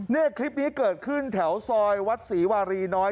นี่คลิปนี้เกิดขึ้นแถวซอยวัดศรีวารีน้อย